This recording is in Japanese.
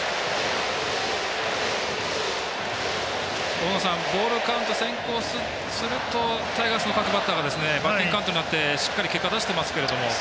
大野さんボールカウント先行するとタイガースの各バッターがバッティングカウントになってしっかり結果出してますけども。